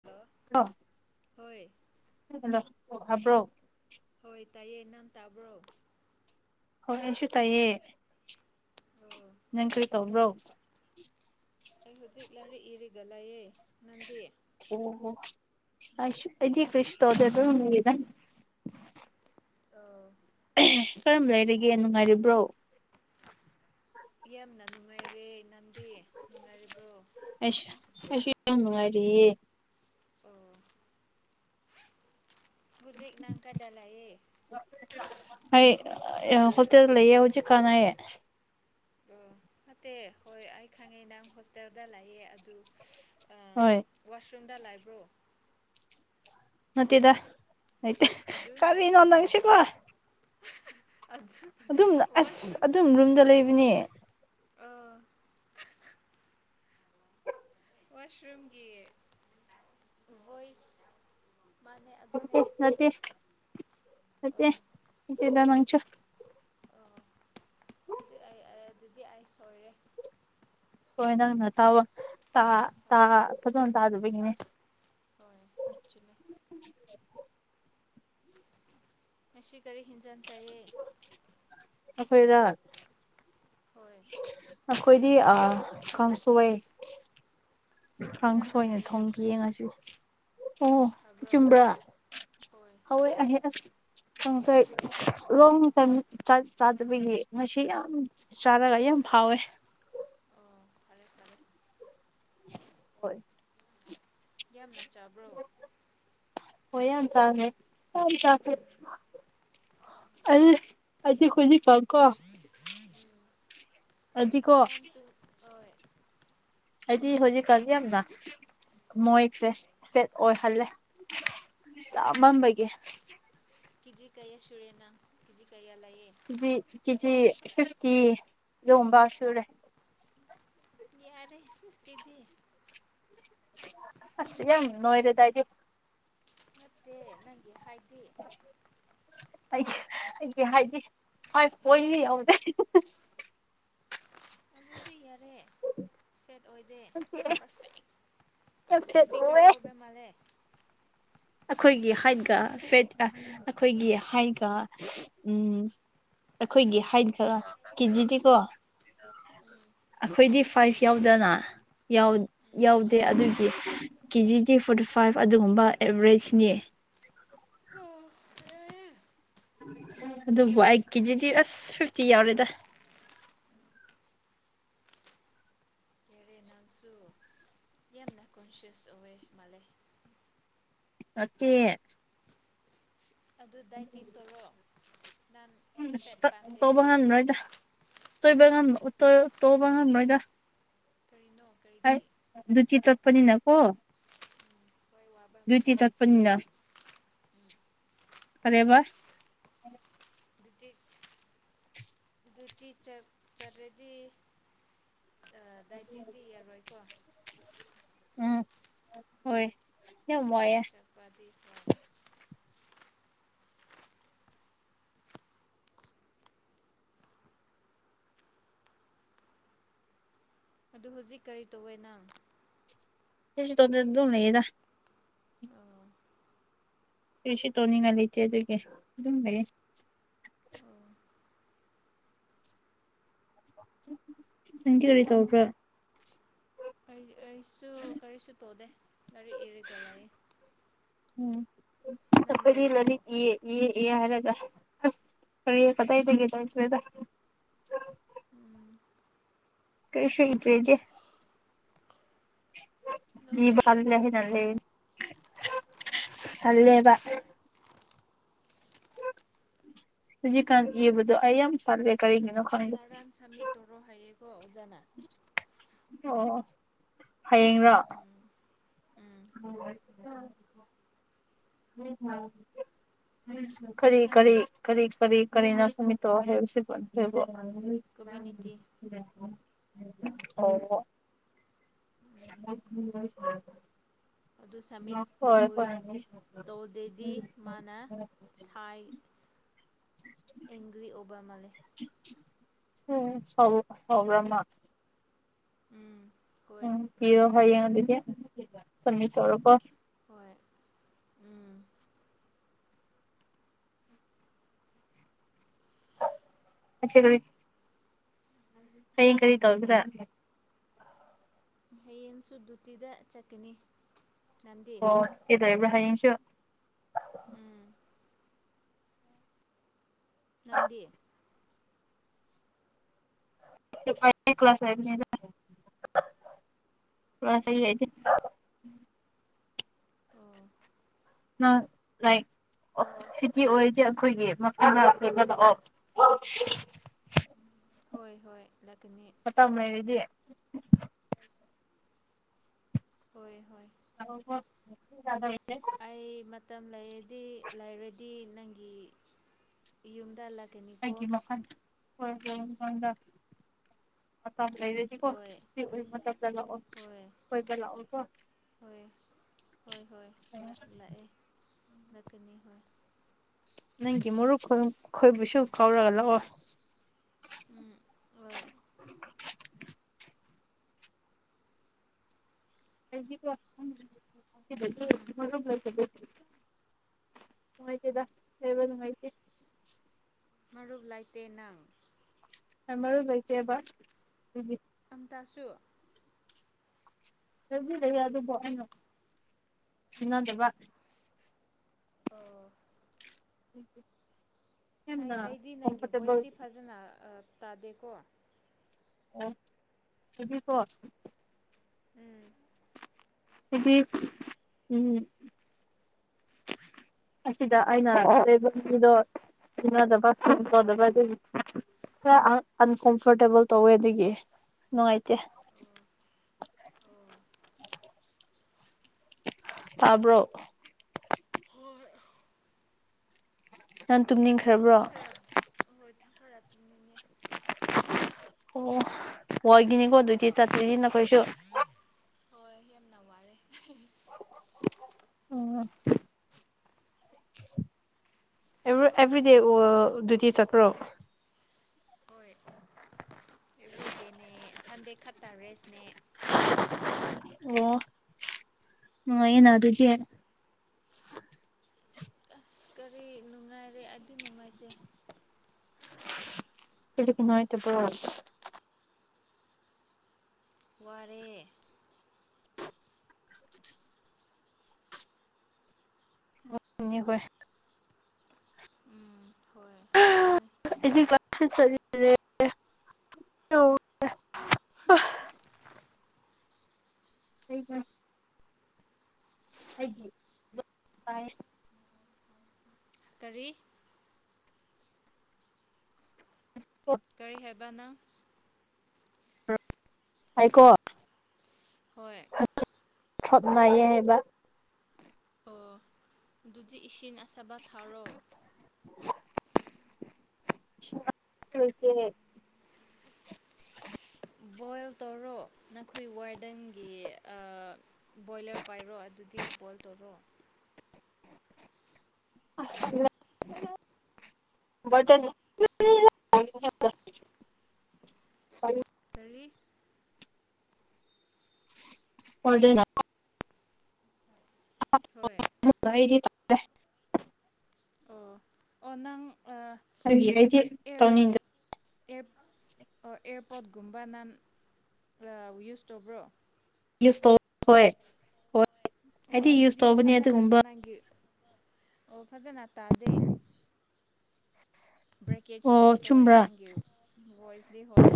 Hello ꯍꯣꯏ [unintelligible] ꯍꯥꯏꯕ꯭ꯔꯣ ꯍꯣꯏ ꯇꯥꯏꯌꯦ ꯅꯪ ꯇꯥꯕ꯭ꯔꯣ ꯍꯣꯏ ꯑꯩꯁꯨ ꯇꯥꯏꯌꯦ ꯑꯣ ꯅꯪ ꯀꯔꯤ ꯇꯧꯕ꯭ꯔꯣ ꯑꯩ ꯍꯧꯖꯤꯛ ꯂꯥꯏꯔꯤꯛ ꯏꯔꯒ ꯂꯩꯌꯦ ꯅꯪꯗꯤ ꯑꯣ ꯑꯩꯁꯨ ꯑꯩꯗꯤ ꯀꯔꯤꯁꯨ ꯇꯧꯗꯦ ꯑꯗꯨꯝ ꯂꯩꯌꯦꯗ ꯑꯣ ꯀꯔꯝ ꯂꯩꯔꯤꯒꯦ ꯅꯨꯡꯉꯥꯏꯔꯤꯕ꯭ꯔꯣ ꯌꯥꯝꯅ ꯅꯨꯡꯉꯥꯏꯔꯦ ꯅꯪꯗꯤ ꯅꯨꯡꯉꯥꯏꯔꯤꯕ꯭ꯔꯣ ꯑꯩ ꯑꯩꯁꯨ ꯌꯥꯝ ꯅꯨꯡꯉꯥꯏꯔꯌꯦ ꯑꯥ ꯍꯧꯖꯤꯦꯛꯅꯪ ꯀꯥꯏꯗꯥ ꯂꯩꯌꯦ ꯑꯩ ꯍꯣꯁꯇꯦꯜ ꯂꯩꯌꯦ ꯍꯧꯖꯤꯛ ꯀꯥꯟ ꯑꯩ ꯑꯣ ꯅꯠꯇꯦ ꯍꯣꯏ ꯑꯩ ꯈꯪꯉꯦ ꯅꯪ ꯍꯣꯁꯇꯦꯜꯗ ꯂꯩꯑꯦ ꯑꯗꯨ ꯍꯣꯏ ꯋꯥꯁꯔꯨꯝꯗ ꯂꯥꯏꯕ꯭ꯔꯣ ꯅꯠꯇꯦꯗ ꯑ ꯑꯗꯨ ꯀꯔꯤꯅꯣ ꯅꯪ ꯁꯤꯕꯣ ꯑꯖ ꯑꯗꯨꯝ ꯑꯁ ꯑꯗꯨꯝ ꯔꯨꯝꯗ ꯂꯩꯕꯅꯦ ꯑꯥ ꯋꯥꯁꯔꯨꯝꯒꯤ ꯚꯣꯏꯁ ꯃꯅꯩ ꯑꯗꯨꯅꯦ ꯁꯠꯇꯦ ꯑꯣ ꯁꯠꯇꯦꯆꯗ ꯅꯪꯁꯨ ꯑꯣ ꯑꯗꯨ ꯑꯩ ꯑꯗꯨꯗꯤ ꯑꯩ ꯁꯣꯏꯔꯦ ꯍꯣꯏ ꯅꯪꯅ ꯇꯥꯕ ꯇꯥ ꯇꯥ ꯍꯣꯏ ꯐꯖꯅ ꯇꯥꯗꯕꯒꯤꯅꯦ ꯍꯣꯏ ꯆꯨꯝꯃꯦ ꯉꯁꯤ ꯀꯔꯤ ꯍꯦꯟꯖꯟ ꯆꯥꯏꯌꯦ ꯑꯩꯈꯣꯏꯔꯣ ꯍꯣꯏ ꯑꯩꯈꯣꯏꯗꯤ ꯑꯥ ꯀꯥꯡꯁꯣꯏ ꯑꯣ ꯀꯥꯡ ꯆꯞ ꯁꯣꯏꯅ ꯃꯥꯟꯅꯩꯌꯦ ꯊꯣꯡꯒꯦ ꯑꯩꯈꯣꯏ ꯌꯦꯡꯉꯁꯤ ꯑꯣ ꯐꯕ꯭ꯔꯣ ꯆꯨꯝꯕ꯭ꯔ ꯍꯣꯏ ꯍꯋꯥꯏ ꯑ ꯑ ꯀꯥꯡꯁꯣꯏ ꯂꯣꯡ ꯇꯥꯏꯝ ꯆꯥꯛ ꯆꯥꯗꯕꯒꯤ ꯉꯁꯤ ꯌꯥꯝ ꯆꯥꯔꯒ ꯌꯥꯝ ꯐꯥꯎꯋꯦ ꯑꯣ ꯐꯔꯦ ꯐ꯭ꯔꯔ ꯍꯣꯏ ꯌꯥꯝꯅ ꯆꯥꯕ꯭ꯔꯣ ꯍꯣꯏ ꯌꯥꯝ ꯇꯝꯅꯦ ꯌꯥꯝ [unintelligible] ꯑꯩ ꯑꯩꯗꯤ ꯍꯨꯖꯤꯛꯀꯥꯟ ꯀꯣ ꯅꯝ ꯇꯨꯡ ꯍꯣꯏ ꯑꯩꯗꯤ ꯍꯧꯖꯤꯛꯀꯥꯟꯗꯤ ꯌꯥꯝꯅ ꯃꯣꯏꯈ꯭ꯔꯦꯐꯦꯠ ꯑꯣꯏꯍꯜꯂꯦ꯫ ꯆꯥ ꯃꯝꯕꯒꯤ ꯀꯤꯖꯤ ꯀꯩꯌꯥ ꯁꯨꯨꯔꯦꯅꯪ ꯀꯤꯖꯤ ꯀꯩꯌꯥ ꯂꯩꯌꯦ꯫ ꯀꯤꯖꯤ ꯀꯤꯖꯤ ꯐꯤꯐꯇꯤ ꯂꯣꯕ ꯁꯨꯔꯦ꯫ ꯌꯥꯔꯦ ꯐꯤꯞꯇꯤꯗꯤ ꯑꯁ ꯌꯥꯝ ꯅꯣꯏꯔꯦꯗ ꯑꯩꯗꯤ ꯅꯠꯇꯦ ꯅꯪꯒꯤ ꯍꯥꯏꯗꯤ ꯑꯩ ꯑꯩꯒꯤ ꯍꯥꯏꯗꯤ ꯐꯥꯞ ꯄꯣꯏꯟꯗꯤ ꯌꯧꯗꯦ꯫ ꯑꯗꯨꯗꯤ ꯌꯥꯔꯦ ꯐꯦꯠ ꯑꯣꯏꯗꯦ ꯌꯥꯝ ꯄꯔꯐꯦꯛ ꯄꯔꯐꯦꯛ ꯐꯦꯠ ꯐꯤꯒꯔ ꯑꯣꯏꯌꯦ ꯑꯣꯏꯕ ꯃꯥꯜꯂꯦ꯫ ꯑꯈꯣꯏꯒꯤ ꯍꯥꯏꯠꯒ ꯐꯦꯠꯀ ꯑꯈꯣꯏꯒꯤ ꯍꯥꯏꯠꯒ ꯎꯝ ꯑꯈꯣꯏꯒꯤ ꯍꯥꯏꯠꯒ ꯀꯦꯖꯤꯗꯤꯀꯣ ꯎꯝ ꯑꯈꯣꯏꯗꯤ ꯐꯥꯏꯚ ꯌꯥꯎꯗꯅ ꯌꯧꯗ ꯌꯧꯗꯦ ꯑꯗꯨꯖꯨ ꯀꯦꯖꯤꯗꯤ ꯐꯣꯔꯇꯤ ꯐꯥꯏꯚ ꯑꯗꯨꯒꯨꯝꯕ ꯑꯦꯚꯔꯦꯁꯅꯤ ꯍꯦ ꯑꯗꯨꯕꯨ ꯑꯩ ꯀꯦꯖꯤꯗꯤ ꯑꯁ ꯐꯤꯐꯇꯤ ꯌꯥꯎꯔꯦꯗ꯫ ꯌꯥꯔꯦ ꯅꯪꯁꯨ ꯌꯥꯝꯅ ꯀꯣꯟꯁꯤꯌꯁ ꯑꯣꯏꯑꯦ ꯃꯥꯂꯦ ꯅꯠꯇꯦ ꯑꯗꯨ ꯗꯥꯏꯇꯤꯡ ꯇꯧꯔꯣ ꯅꯪ ꯎꯝ ꯑꯁ ꯐꯦꯠ ꯇꯠ ꯇꯧꯕ ꯄꯥꯝꯗꯦꯗꯤ ꯉꯝꯔꯣꯏꯗ ꯇꯣꯏꯕ ꯉꯝ ꯎꯠ ꯇꯣꯏ ꯇꯧꯕ ꯉꯝꯃꯔꯣꯏꯗ ꯀꯔꯤꯅꯣ ꯀꯔꯤꯒꯤ ꯗꯨꯇꯤ ꯆꯠꯄꯅꯤꯅ ꯀꯣ ꯎꯝ ꯍꯣꯏ ꯋꯥꯕ ꯗꯨꯏꯇꯤ ꯃꯥꯜꯂꯦ ꯆꯠꯄꯅꯤꯅ ꯑꯔꯦꯕꯥ ꯗꯨꯇꯤ ꯗꯨꯇꯤ ꯆꯞ ꯆꯠꯔꯗꯤ ꯑ ꯗꯥꯏꯇꯤꯡꯗꯤ ꯌꯥꯔꯣꯏꯀꯣ ꯎꯝ ꯍꯣꯏ ꯌꯥꯝ ꯋꯥꯌꯦ ꯄꯥꯗꯤ ꯄꯥ ꯑꯗꯨ ꯍꯧꯖꯤꯛ ꯀꯔꯤ ꯇꯧꯋꯦ ꯅꯪ ꯀꯩꯁꯨ ꯇꯧꯗꯦ ꯗꯨꯝ ꯂꯩꯥꯌꯦꯗ ꯑꯣ ꯀꯔꯤꯁꯨ ꯇꯧꯅꯤꯡꯉꯥꯏ ꯂꯩꯇꯦ ꯑꯗꯨꯒꯤ ꯑꯗꯨꯝ ꯂꯩꯌꯦ ꯑꯣ ꯅꯪꯗꯤ ꯑꯔꯤ ꯇꯧꯕ꯭ꯔꯥ ꯑꯩ ꯑꯩꯁꯨ ꯀꯔꯤꯁꯨ ꯇꯧꯗꯦ ꯂꯥꯏꯔꯤꯛ ꯏꯔꯒ ꯂꯌꯦ꯫ ꯎꯝ ꯅꯪ ꯑꯈꯣꯏꯗꯤ ꯂꯣꯏꯔꯕꯣ ꯂꯥꯔꯤꯛ ꯏꯌꯦ ꯏꯌꯦ ꯏꯌꯦ ꯍꯥꯏꯔꯒ ꯑꯁ ꯀꯔꯤ ꯇꯕꯩꯗꯒꯤ ꯆꯈ꯭ꯔꯦꯗ ꯎꯝ ꯀꯔꯤꯁꯨ ꯏꯗ꯭ꯔꯦꯗꯤ ꯅꯪꯁꯨ ꯂꯤꯕ ꯀꯥꯜꯂꯦ ꯏꯔꯣ ꯍꯩꯅꯔꯦ ꯀꯩꯅꯣ ꯍꯜꯂꯦꯕ ꯍꯨꯖꯤꯛꯀꯥꯟ ꯏꯕꯗꯣ ꯑꯩ ꯌꯥꯝ ꯇꯜꯂꯦ ꯀꯔꯤꯒꯤꯅꯣ ꯈꯪ ꯅꯔꯟ ꯁꯃꯤꯠ ꯇꯧꯔꯣ ꯍꯥꯏꯌꯦꯀꯣ ꯑꯣꯖꯥꯅ ꯑꯣ ꯍꯌꯦꯡꯔꯣ ꯎꯝ ꯎꯝ [unintelligible] ꯎꯝ [unintelligible] ꯀꯔꯤ ꯀꯔꯤ ꯀꯔꯤ ꯀꯔꯤ ꯀꯔꯤꯅꯣ ꯁꯃꯤꯠꯇꯣ ꯍꯥꯏꯕꯁꯤꯕꯨ ꯑꯗꯨꯕꯨ ꯀꯝꯃ꯭ꯌꯨꯅꯤꯇꯤ [unintelligible] ꯑꯣ [unintelligible] ꯑꯗꯨ ꯁꯝꯃꯤꯠ ꯍꯣꯏ ꯇꯧꯏ ꯍꯣꯏ ꯇꯧꯗꯦꯗꯤ ꯃꯥꯅ ꯁꯥꯏ [inaudible] ꯑꯦꯡꯒ꯭ꯔꯤ ꯑꯣꯕꯥꯃꯂꯦ ꯑꯦ ꯁꯥꯎꯕꯨ ꯁꯥꯎꯕ꯭ꯔꯥ ꯃꯥ ꯎꯝ ꯍꯣꯏ ꯎꯝ ꯄꯤꯔꯣ ꯍꯌꯦꯡ ꯑꯗꯨꯗꯤ ꯁꯃꯤꯠ ꯇꯧꯔꯣꯀꯣ ꯍꯣꯏ ꯎꯝ ꯑꯠꯁꯤ ꯔꯨꯔꯤ ꯍꯌꯦꯡ ꯀꯔꯤ ꯇꯧꯒꯦꯔꯥ ꯍꯌꯦꯡꯁꯨ ꯗꯨꯇꯤꯗ ꯆꯠꯀꯅꯤ ꯅꯪꯗꯤ ꯑꯣ ꯀꯩꯗꯧꯔꯤꯕ꯭ꯔꯥ ꯍꯥꯌꯦꯡꯁꯨ ꯎꯝ ꯅꯟꯗꯤ ꯇꯨꯞ ꯑꯩꯗꯤ ꯀ꯭ꯂꯥꯁ ꯍꯥꯏꯕꯅꯤꯗ ꯀ꯭ꯂꯥꯁ ꯍꯥꯏ ꯑꯣ ꯑꯩꯗꯤ ꯑꯣ ꯅꯪ ꯔꯥꯏꯛ ꯑꯣꯐ ꯁꯤꯇꯤ ꯑꯣꯏꯗꯦ ꯑꯩꯈꯣꯏꯒꯤ ꯃꯄꯨꯗ ꯂꯩꯕ ꯂꯥꯛꯑꯣ ꯍꯣꯏ ꯍꯣꯏ ꯂꯗꯨꯅꯤ ꯇꯝ ꯂꯩꯔꯗꯤ ꯍꯣꯏ ꯍꯣꯏ [inaudible] ꯑꯩ ꯃꯇꯝ ꯂꯩꯔꯗꯤ ꯂꯩꯔꯗꯤ ꯅꯪꯒꯤ ꯌꯨꯝꯗ ꯂ ꯑꯩꯒꯤ ꯃꯈꯜ [inaudible] ꯃꯉꯣꯟꯗ ꯑ ꯂꯩ ꯀꯣ ꯍꯣꯏ ꯁꯤ ꯋꯤꯛ ꯃꯇꯝꯗ ꯂꯥꯛꯑꯣ ꯍꯣꯏ ꯀꫭꯏꯕ ꯂꯥꯛꯑꯣ ꯀꯣ ꯍꯣꯏ ꯍꯣꯏ ꯍꯣꯏ ꯂꯥꯛꯑꯦ ꯂꯥꯛꯀꯅꯤ ꯍꯣꯏ ꯅꯪꯒꯤ ꯃꯣꯔꯨꯞ ꯈꯣꯏꯕꯨꯁꯨ ꯀꯧꯔ ꯂꯥꯛꯑꯣ ꯎꯝ ꯍꯣꯏ ꯑꯩꯗꯤꯀꫭ ꯎꯝ [inaudible] ꯅꯨꯡꯉꯥꯏꯇꯦꯗ ꯂꯩꯕ ꯅꯨꯡꯉꯥꯏꯇꯦ ꯃꯔꯨꯞ ꯂꯩꯥꯇꯦ ꯅꯪ ꯍꫭꯏ ꯃꯔꯨꯞ ꯂꯩꯩꯇꯦꯕ ꯑꯗꯨꯒꯤ ꯑꯝꯇꯁꯨ ꯂꯧꯕꯨꯗꯤ ꯑꯗꯨꯕꯨ ꯑꯩꯅ ꯇꯤꯟꯅꯗꯕ ꯑꯣ [inaudible] ꯑꯩ ꯑꯩꯗꯤ ꯅꯪꯒꯤ ꯀꯝꯐꯣꯔꯇꯦꯕꯜ ꯚꯣꯏꯁꯇꯤ ꯐꯖꯅ ꯇꯥꯗꯦꯀꯣ ꯑꯣ ꯑꯗꯨꯗꯤ ꯀꯣ ꯎꯝ ꯑꯩꯗꯤ ꯎꯝ ꯑꯁꯤꯗ ꯑꯩꯅ ꯂꯩꯕ ꯃꯤꯗꯣ ꯇꯤꯟꯅꯗꯕ [inaudible] ꯑꯗꯨꯒꯤ ꯈꯔ ꯑꯟꯀꯝꯐꯣꯔꯇꯦꯕꯜ ꯇꯧꯋꯦ ꯑꯗꯨꯒꯤ ꯅꯨꯡꯉꯥꯏꯇꯦ ꯇꯥꯕ꯭ꯔꯣ ꯍꯣꯏ ꯅꯪ ꯑꯩꯗꯤ ꯇꯨꯝꯅꯤꯡꯈ꯭ꯔꯕ꯭ꯔꯣ ꯈꯔ ꯍꯣꯏ ꯈꯔ ꯇꯨꯝꯅꯤꯡꯉꯦ ꯑꯣ ꯋꯥꯏꯒꯤꯅꯤꯀꯣ ꯑꯗꯨꯗꯤ ꯆꯠꯇꯣꯏꯁꯤ ꯅꯈꯣꯏꯁꯨ ꯍꯣꯏ ꯌꯥꯝꯅ ꯋꯥꯔꯦ ꯎꯝ ꯑꯦ ꯑꯦꯚ꯭ꯔꯤ ꯗꯦ ꯋꯥꯜꯗꯨꯗꯤ ꯆꯠꯄꯔꯣ ꯍꯣꯏ ꯑꯦꯕ꯭ꯔꯤꯗꯦꯅꯦ ꯁꯟꯗꯦ ꯈꯛꯇ ꯔꯦꯁꯅꯦ ꯑꯣ ꯅꯨꯡꯉꯥꯏꯌꯦꯅ ꯑꯗꯨꯗꯤ ꯑꯁ ꯀꯔꯤ ꯅꯨꯡꯉꯥꯏꯔꯦ ꯑꯩꯗꯤ ꯅꯨꯡꯉꯥꯏꯇꯦ ꯀꯔꯤꯒꯤ ꯅꯨꯡꯉꯥꯏꯇꯕꯔꫭ ꯋꯥꯔꯦ ꯅꯤ ꯍꯣꯏ ꯎꯝ ꯍꯣꯏ ꯑꯗꯨꯅꯤ ꯑꯩꯗꯤ ꯀ [inaudible] ꯍꯥꯏꯦ [inaudible] ꯀꯔꯤ ꯍꫭ ꯀꯔꯤ ꯍꯥꯏꯕ ꯅꯪ ꯍꯥꯏꯀꯣ ꯍꯣꯏ ꯊ꯭ꯔꯛ ꯅꯥꯏꯌꯦ ꯍꯥꯏꯕ ꯑꯣ ꯑꯗꯨꯗꯤ ꯏꯁꯤꯡ ꯑꯁꯥꯕ ꯊꯥꯔꯣ ꯦ [unintelligible] ꯕꯣꯏꯜ ꯇꯧꯔꯣ ꯅꯈꯣꯏ ꯋꯥꯔꯗꯟꯒꯤ ꯑꯥ ꯕꯣꯏꯂꯔ ꯄꯥꯏꯔꯣ ꯑꯗꯨꯗꯤ ꯕꯣꯏꯜ ꯇꯧꯔꯣ ꯑꯁ [unintelligible] ꯇꯔꯤ [unintelligible] [inaudible] ꯍꯣꯏ ꯃꯨꯛꯀꯥ ꯑꯩꯗꯤ ꯑꯣ ꯑꯣ ꯅꯪ ꯑꯥ ꯑꯩꯗꯤ ꯄꯅꯤꯡ ꯑꯦꯕ ꯑꯥ ꯑꯦꯔꯄꯣꯠꯒꯨꯝꯕ ꯅꯥꯟ ꯑꯥ ꯌꯨꯁ ꯇꯧꯕ꯭ꯔꯣ [unintelligible] ꯍꯣꯏ ꯍꯣꯏ ꯑꯣ ꯑꯩꯗꯤ ꯌꯨꯁ ꯑꯗꯨꯗꯤ ꯇꯧꯕꯅꯦ ꯐꯖꯅ ꯑꯗꯨꯒꯨꯝꯕ ꯅꯪꯒꯤ ꯑꯣ ꯐꯖꯅ ꯇꯥꯗꯦ ꯕ꯭ꯔꯦꯀꯦꯖ ꯑꯣ ꯇꯧꯋꯦ ꯆꯨꯝꯕ꯭ꯔꯥ ꯅꯪꯒꯤ ꯚꯣꯏꯁꯗꯤ ꯍꯣꯏ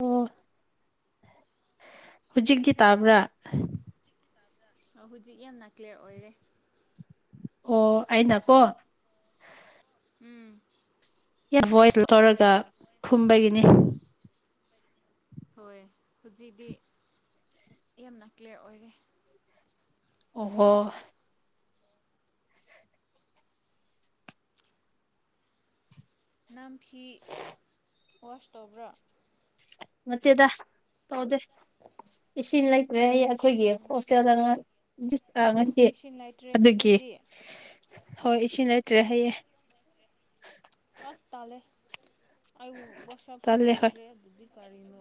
ꯑꯣ ꯍꯨꯖꯤꯛꯇꯤ ꯇꯥꯕ꯭ꯔꯥ ꯑꯥ ꯍꯨꯖꯤꯛ ꯌꯥꯝꯅ ꯀ꯭ꯂꯤꯌꯥꯔ ꯑꯣꯏꯔꯦ ꯑꯣ ꯑꯩꯅꯀꯣ ꯎꯝ [unintelligible] ꯇꯧꯔꯒ ꯈꯨꯝꯕꯒꯤꯅꯤ ꯍꯣꯏ ꯍꯨꯖꯤꯗꯤ ꯌꯥꯝꯅ ꯀ꯭ꯂꯤꯌꯥꯔ ꯑꯣꯏꯔꯦ ꯑꯣꯍꯣ ꯅꯝꯐꯤ ꯋꯥꯁ ꯇꯧꯕ꯭ꯔꯥ ꯅꯇꯦꯗ ꯇꯣꯗꯦ ꯏꯁꯤꯟ ꯂꯩꯇ꯭ꯔꯦ ꯍꯥꯏꯌꯦ ꯑꯈꯣꯏꯒꯤ ꯍꯣꯁꯇꯦꯜꯗ ꯑꯔꯡ [unintelligible] ꯉꯁꯤ ꯏꯁꯤꯡ ꯂꯩꯇ꯭ꯔꯦ ꯑꯗꯨꯒꯤ ꯍꯧꯖꯤꯛꯇꯤ ꯍꯣꯏ ꯏꯁꯤꯡ ꯂꯩꯇ꯭ꯔꯦ ꯍꯌꯦ ꯑꯁ ꯇꯥꯜꯂꯦ ꯑꯩ ꯋꯥꯁꯞꯁꯨ ꯇꯜꯂꯦ ꯍꯣꯏ ꯇꯧꯗ꯭ꯔꯦ ꯑꯗꯨꯗꯤ ꯒꯥꯔꯤꯅꯣ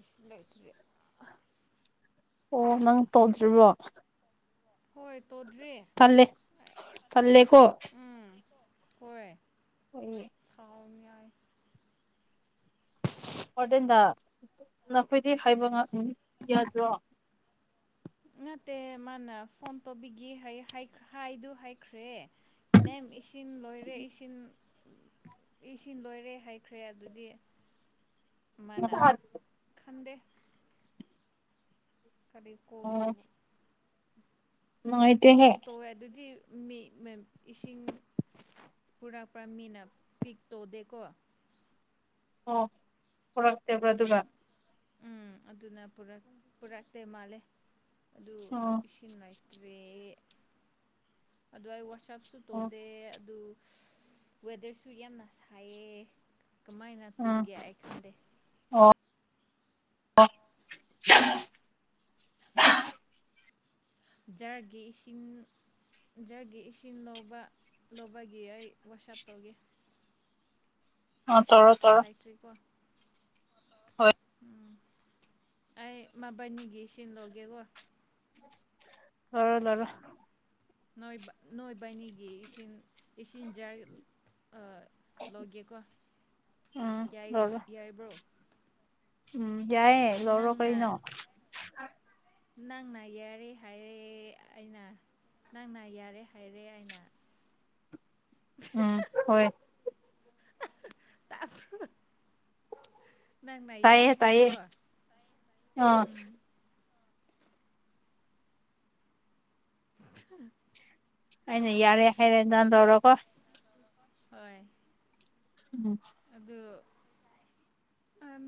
ꯏꯁꯤꯡ ꯂꯩꯇ꯭ꯔꯦ ꯑꯣ ꯅꯪ ꯇꯧꯗ꯭ꯔꯤꯕꯣ ꯍꯣꯏ ꯇꯣꯗ꯭ꯔꯤ ꯇꯜꯂꯦ ꯇꯜꯂꯦꯀꯣ ꯎꯝ ꯍꯣꯏ [inaudible] ꯊꯥꯎꯝ ꯌꯥꯏ ꯋꯔꯗꯦꯟꯗ ꯅꯈꯣꯏꯗꯤ ꯍꯥꯏꯕ [unintelligible] ꯌꯥꯗ꯭ꯔꯣ ꯅꯠꯇꯦ ꯃꯥꯅ ꯐꯣꯝ ꯇꯣꯕꯤꯒꯦ ꯍꯥꯏ ꯍꯥꯏꯑ ꯍꯥꯏꯗꯨ ꯍꯥꯏꯈ꯭ꯔꯦ ꯃꯦꯝ ꯏꯁꯤꯝ ꯂꯣꯏꯔꯦ ꯏꯁꯤꯝ ꯏ ꯁꯤ ꯂꯣꯏꯔꯦ ꯍꯥꯏꯈ꯭ꯔꯦ ꯑꯗꯨꯗꯤ ꯃꯅꯥ ꯈꯟꯗꯦ ꯀꯔꯤ ꯀꯣꯜ ꯑꯣ ꯇꯣꯕ ꯅꯨꯡꯉꯥꯏꯇꯦꯍꯦ ꯀꯣꯜ ꯇꯣꯋꯦ ꯑꯗꯨꯗꯤ ꯃꯤ ꯃꯦ ꯏꯁꯤꯡ ꯄꯨꯔꯛꯄ ꯃꯤꯅ ꯄꯤꯛꯇꯣꯗꯦꯀꯣ ꯑꯣ ꯄꯨꯔꯛꯇꯥꯕ꯭ꯔ ꯑꯗꯨꯒ ꯎꯝ ꯑꯗꯨꯅ ꯄꯨꯔꯛ ꯄꯨꯔꯛꯇꯦ ꯃꯥꯜꯂꯦ ꯑꯗꯨ ꯑꯣ ꯢꯁꯤ ꯁꯤꯡ ꯂꯩꯇ꯭ꯔꯦ ꯑꯗꯨ ꯑꯩ ꯋꯥꯁꯞꯁꯨ ꯑꯣ ꯇꯧꯗꯦ ꯑꯗꯨ ꯋꯦꯗ꯭ꯔꯁꯨ ꯌꯥꯝꯅ ꯁꯥꯏꯌꯦ ꯀꯃꯥꯏꯅ ꯑꯥ ꯇꯨꯝꯒꯦ ꯑꯩ ꯈꯟꯗꯦ ꯑꯣ ꯖꯥꯔꯒꯤ ꯏꯁꯤꯡ ꯖꯥꯔꯒꯤ ꯏꯁꯤꯡ ꯂꯧꯕ ꯂꯧꯕꯒꯤ ꯑꯩ ꯋꯥꯁꯞ ꯇꯧꯒꯦ [inaudible] ꯇꯧꯔꯣ ꯎꯄꯥꯏ ꯇꯧꯔꯣ ꯂꯩꯥꯇ꯭ꯔꯤꯀꯣ ꯍꯣꯏ ꯎꯝ ꯑꯩ ꯃꯕꯥꯟꯅꯤꯒꯤ ꯏꯁꯤꯡ ꯂꯧꯒꯦꯀꯣ ꯂꯧꯔꯣ ꯂꯧꯔꯣ ꯅꯣꯏꯕ ꯅꯣꯏꯕꯅꯤꯒꯤ ꯏꯁꯤꯡ ꯏꯁꯤꯡ ꯖꯥꯔ ꯑ ꯂꯧꯒꯦꯀꯣ ꯎꯝ ꯌꯥꯏ ꯂꯧꯔꯣ ꯌꯥꯏꯕ꯭ꯔꯣ ꯎꯝ ꯌꯥꯏꯌꯦ ꯂꯧꯔꯣ ꯀꯩꯅꯣ ꯅꯪꯅ ꯅꯪꯅ ꯌꯥꯔꯦ ꯍꯥꯏꯔꯦ ꯑꯩꯅ ꯅꯪꯅ ꯌꯥꯔꯦ ꯍꯥꯏꯔꯦ ꯑꯩꯅ ꯑꯥ ꯍꯣꯏ ꯇꯥꯐ꯭ꯔꯣ ꯅꯪꯅ ꯌꯥꯔꯦ ꯇꯥꯏꯌꯦ ꯇꯥꯏꯌꯦ ꯍꯥꯏꯌꯦꯀꯣ ꯑꯥ ꯎꯝ [unintelligible] ꯑꯩꯅ ꯌꯥꯔꯦ ꯍꯥꯏꯔꯦ ꯅꯪ ꯂꯧꯔꯣꯀꯣ ꯍꯣꯏ ꯎꯝ ꯑꯗꯨ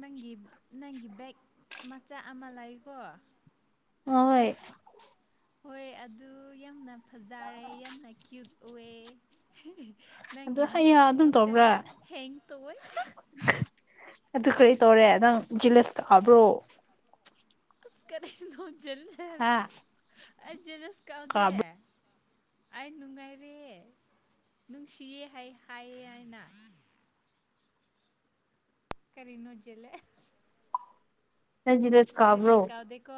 ꯅꯪꯒꯤ ꯅꯪꯒꯤ ꯕꯦꯛ ꯃꯆꯥ ꯑꯃ ꯂꯩꯀꯣ ꯍꯣꯏ ꯍꯣꯏ ꯑꯗꯨ ꯌꯥꯝꯅ ꯐꯖꯔꯦ ꯌꯥꯝꯅ ꯀ꯭ꯌꯨꯠ ꯑꯣꯏ ꯑꯗꯨ ꯅꯪꯒꯤ ꯑꯩꯌꯥ ꯃꯣꯁꯀꯤꯇꯣ ꯑꯗꯨꯝ ꯇꯧꯕ꯭ꯔꯥ ꯁꯇꯦꯟꯗ ꯍꯦꯡ ꯇꯧꯋꯦ ꯑꯗꯨ ꯀꯔꯤ ꯇꯧꯔꯦ ꯅꯪ ꯖꯦꯂꯥꯁ ꯀꯥꯕ꯭ꯔꯣ ꯑꯁ ꯀꯔꯤꯅꯣ ꯍꯥ ꯖꯦꯂꯥꯁ ꯑꯩ ꯖꯦꯂꯥꯁ ꯀꯥꯗꯦ ꯀꯥꯕ꯭ꯔꯣ ꯑꯩ ꯅꯨꯡꯉꯥꯏꯔꯦ ꯅꯨꯡꯁꯤꯌꯦ ꯍꯥꯏ ꯍꯥꯏꯌꯦ ꯑꯩꯅ ꯀꯔꯤꯅꯣ ꯖꯦꯂꯁ ꯅꯪ ꯖꯦꯂꯁ‌ ꯖꯦꯂꯁ ꯀꯥꯗꯦꯀꯣ